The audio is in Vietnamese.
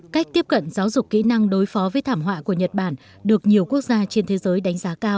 cách tiếp cận giáo dục kỹ năng đối phó với thảm họa của nhật bản được nhiều quốc gia trên thế giới đánh giá cao